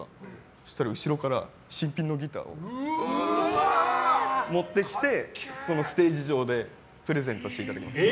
そしたら後ろから新品のギターを持ってきてそのステージ上でプレゼントしていただきました。